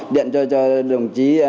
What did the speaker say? điện cho đồng chí